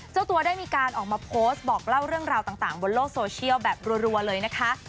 เจ้าตัวได้มีการออกมาโพสต์บอกเล่าเรื่องราวต่างบนโลกโซเชียลแบบรัวเลยนะคะ